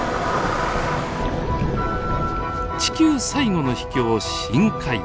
地球最後の秘境深海。